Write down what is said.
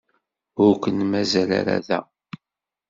Ur ken-mazal ara da.